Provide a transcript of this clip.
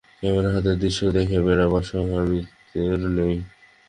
Camera হাতে দৃশ্য দেখে বেড়াবার শখ অমিতর নেই।